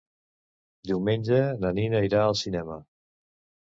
Diumenge na Nina irà al cinema.